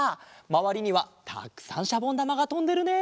まわりにはたくさんしゃぼんだまがとんでるね！